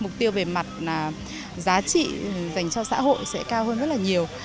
giá trị dành cho xã hội sẽ cao hơn rất là nhiều